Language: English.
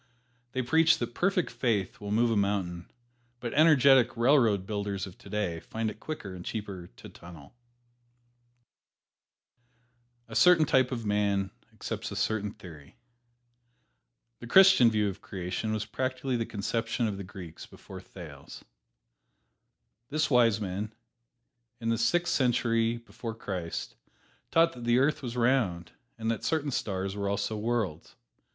They preach that perfect faith will move a mountain, but energetic railroad builders of today find it quicker and cheaper to tunnel. A certain type of man accepts a certain theory. The Christian view of creation was practically the conception of the Greeks before Thales. This wise man, in the Sixth Century before Christ, taught that the earth was round, and that certain stars were also worlds.